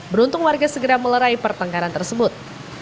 beruntung warga segera melerai pertengkaran tersebut